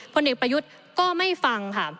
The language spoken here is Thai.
พลเอกประยุทธ์ก็ไม่ฟังค่ะ